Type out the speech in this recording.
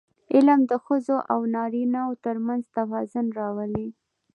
علم د ښځو او نارینهوو ترمنځ توازن راولي.